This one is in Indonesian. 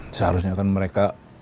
seharusnya kan mereka